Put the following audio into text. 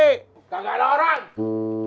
kagak ada orang